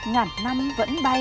ngàn năm vẫn bay